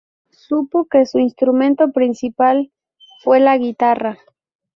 Supo que su instrumento principal fue la guitarra.